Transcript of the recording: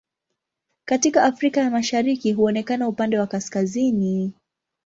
Katika Afrika ya Mashariki huonekana upande wa kaskazini.